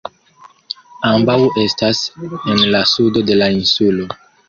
Ambaŭ estas en la sudo de la insulo.